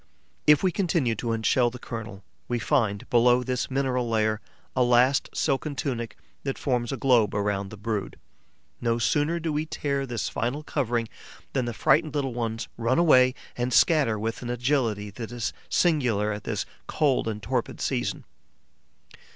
If we continue to unshell the kernel, we find, below this mineral layer, a last silken tunic that forms a globe around the brood. No sooner do we tear this final covering than the frightened little ones run away and scatter with an agility that is singular at this cold and torpid season.